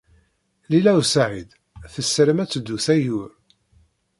Lila u Saɛid tessaram ad teddu s Ayyur.